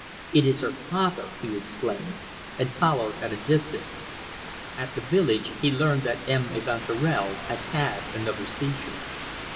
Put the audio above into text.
"It is her father!" he exclaimed, and followed at a distance. At the village he learned that M. Evanturel had had another seizure.